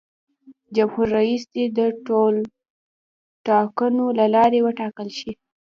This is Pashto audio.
جمهور رئیس دې د ټولټاکنو له لارې وټاکل شي.